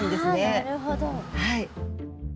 あなるほど。